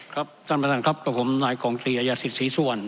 ครับท่านประธานครับกับผมนายกองตรีอายาศิษย์ศรีสุวรรณ